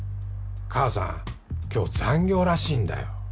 母さん今日残業らしいんだよ。